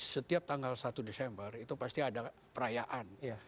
setiap tanggal satu desember itu pasti ada perayaan